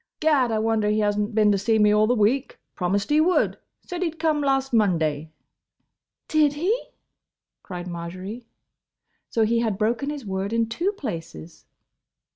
Gad! I wonder he has n't been to see me all the week. Promised he would. Said he 'd come last Monday." "Did he?" cried Marjory. So he had broken his word in two places!